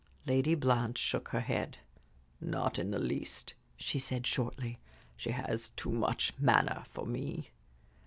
Lady Blanche shook her head. "Not in the least," she said, shortly. "She has too much manner for me."